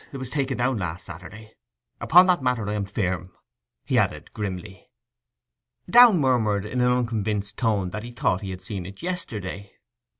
It was taken down last Saturday ... Upon that matter I am firm!' he added grimly. Downe murmured in an unconvinced tone that he thought he had seen it yesterday.